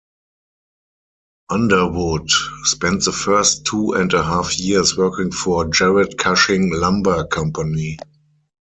Underwood spent the first two and a half years working for Jarrett-Cushing Lumber Company.